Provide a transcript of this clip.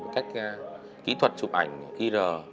cách kỹ thuật chụp ảnh ir